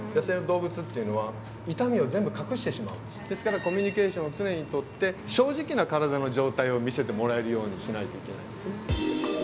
ですからコミュニケーションを常にとって正直な体の状態を見せてもらえるようにしないといけないんですね。